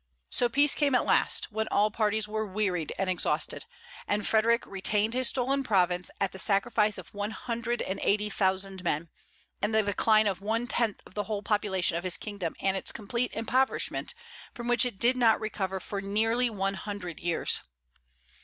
So peace came at last, when all parties were wearied and exhausted; and Frederic retained his stolen province at the sacrifice of one hundred and eighty thousand men, and the decline of one tenth of the whole population of his kingdom and its complete impoverishment, from which it did not recover for nearly one hundred years.